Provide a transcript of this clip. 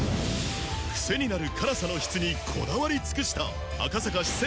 クセになる辛さの質にこだわり尽くした赤坂四川